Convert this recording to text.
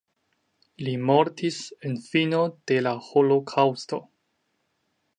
Li mortis en fino de la holokaŭsto.